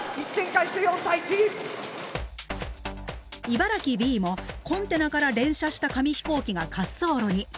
茨城Ｂもコンテナから連射した紙飛行機が滑走路に。